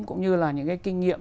cũng như là những cái kinh nghiệm